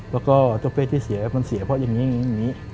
แล้วก็เจ้าเพชรที่เสียมันเสียเพราะอย่างนี้